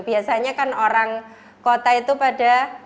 biasanya kan orang kota itu pada waktu itu